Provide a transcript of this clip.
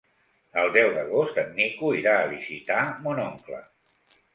El deu d'agost en Nico irà a visitar mon oncle.